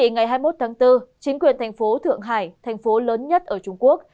ngày hai mươi một tháng bốn chính quyền thành phố thượng hải thành phố lớn nhất ở trung quốc